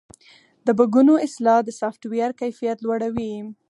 د بګونو اصلاح د سافټویر کیفیت لوړوي.